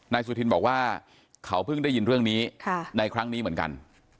สุธินบอกว่าเขาเพิ่งได้ยินเรื่องนี้ในครั้งนี้เหมือนกัน